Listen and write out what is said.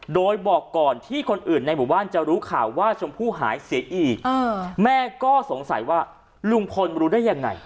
โดยบอกก่อนที่คนอื่นในหมู่บ้านจะรู้ข่าวว่าชมพู่หายเสียอีกแม่ก็สงสัยว่าลุงพลรู้ได้ยังไง